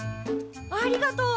ありがとう！